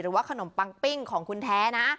หรือว่าขนมปังปิ้งของคุณแท้นะ